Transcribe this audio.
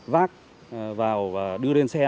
vác vào và đưa lên xe